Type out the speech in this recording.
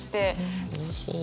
んうれしい。